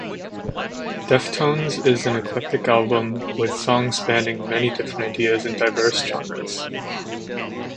"Deftones" is an eclectic album, with songs spanning many different ideas in diverse genres.